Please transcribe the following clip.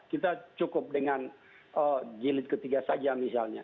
kita cukup dengan jilid ketiga saja misalnya